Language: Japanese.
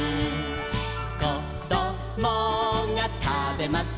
「こどもがたべます